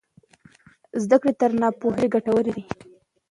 زده کړې تر ناپوهۍ ډېرې ګټورې دي.